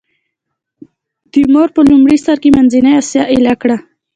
تیمور په لومړي سر کې منځنۍ اسیا ایل کړه.